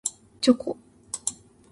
チョコ